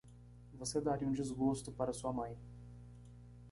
Você daria um desgosto para sua mãe.